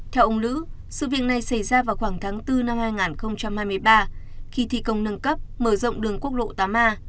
theo ông lữ sự việc này xảy ra vào khoảng tháng bốn năm hai nghìn hai mươi ba khi thi công nâng cấp mở rộng đường quốc lộ tám a